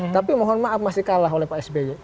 tapi mohon maaf masih kalah oleh pak sby